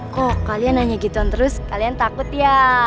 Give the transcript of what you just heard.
kok kalian nanya gituan terus kalian takut ya